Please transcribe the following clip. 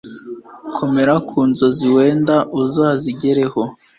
komera ku nzozi wenda uzazigeraho